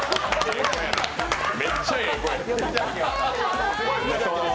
めっちゃええ声。